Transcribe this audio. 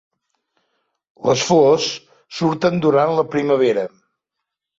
Les flors surten durant la primavera.